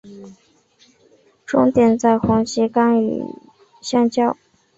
终点在红旗岗与相交。